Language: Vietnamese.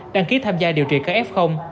đăng ký tham gia điều trị kf